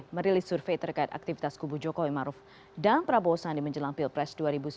merilis survei terkait aktivitas kubu jokowi maruf dan prabowo sandi menjelang pilpres dua ribu sembilan belas